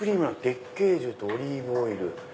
「月桂樹とオリーブオイル」。